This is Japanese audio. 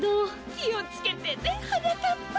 きをつけてねはなかっぱ。